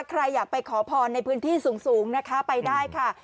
ใครอยากไปขอพรในพื้นที่สูงนะคะไปได้ค่ะ